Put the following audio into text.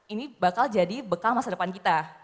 ini bakal jadi bekal masa depan kita